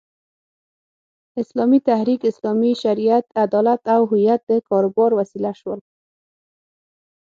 اسلامي تحریک، اسلامي شریعت، عدالت او هویت د کاروبار وسیله شول.